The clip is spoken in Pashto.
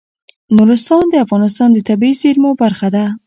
نورستان د افغانستان د طبیعي زیرمو برخه ده.